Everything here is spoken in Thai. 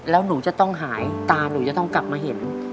แล้วหนูจะต้องหายตาหนูจะต้องกลับมาเห็น